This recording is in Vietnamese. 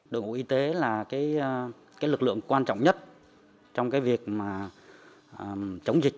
đội ngũ y tế là lực lượng quan trọng nhất trong việc chống dịch